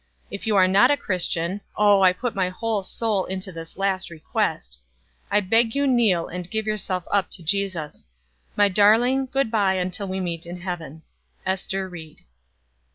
If you are not a Christian Oh, I put my whole soul into this last request I beg you kneel and give yourself up to Jesus. My darling, good by until we meet in heaven. "ESTER RIED."